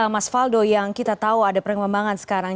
mas faldo yang kita tahu ada perkembangan sekarang